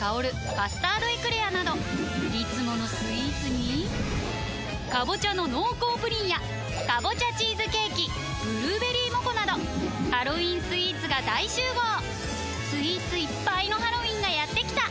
「カスタードエクレア」などいつものスイーツに「かぼちゃの濃厚プリン」や「かぼちゃチーズケーキ」「ぶるーべりーもこ」などハロウィンスイーツが大集合スイーツいっぱいのハロウィンがやってきた！